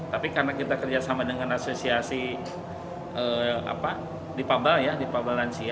tapi karena kita kerjasama dengan asosiasi di fabel ya di fabel rancia